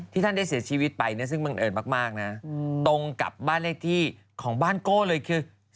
ท่านได้เสียชีวิตไปเนี่ยซึ่งบังเอิญมากนะตรงกับบ้านเลขที่ของบ้านโก้เลยคือ